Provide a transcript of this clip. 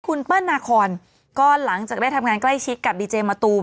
คุณเปิ้ลนาคอนก็หลังจากได้ทำงานใกล้ชิดกับดีเจมะตูม